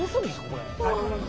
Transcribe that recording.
これ。